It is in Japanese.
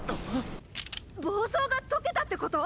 暴走が解けたってこと？？